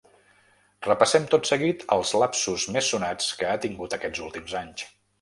Repassem tot seguit els lapsus més sonats que ha tingut aquests últims anys.